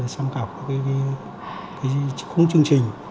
tham khảo các khung chương trình